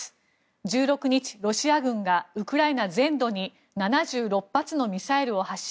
１６日、ロシア軍がウクライナ全土に７６発のミサイルを発射。